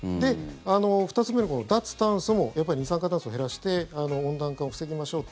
２つ目の、この脱炭素も二酸化炭素を減らして温暖化を防ぎましょうと。